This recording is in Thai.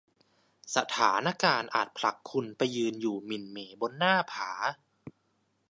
สถานการณ์อาจผลักคุณไปยืนอยู่หมิ่นเหม่บนหน้าผา